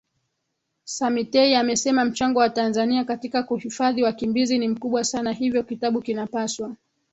Samitei amesema mchango wa Tanzania katika kuhifadhi wakimbizi ni mkubwa sana hivyo kitabu kinapaswa